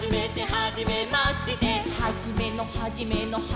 「はじめのはじめのはじまりの」